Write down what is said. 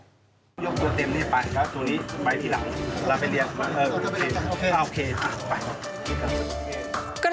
ยกตัวเต็มนี้ไปแล้วก็ตัวนี้ไปที่หลังเราไปเรียนเออโอเคไป